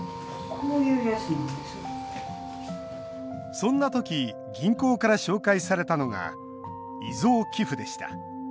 そんな時、銀行から紹介されたのが遺贈寄付でした。